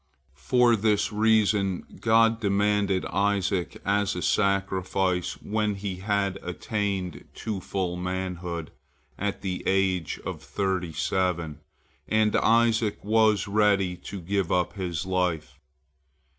For this reason God demanded Isaac as a sacrifice when he had attained to full manhood, at the age of thirty seven, and Isaac was ready to give up his life.